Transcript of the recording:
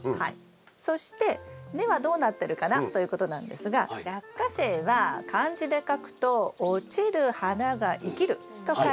そして根はどうなってるかなということなんですがラッカセイは漢字で書くと「落ちる花が生きる」と書いてラッカセイといいます。